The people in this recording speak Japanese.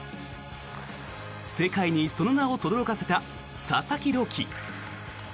世界にその名をとどろかせた佐々木朗希。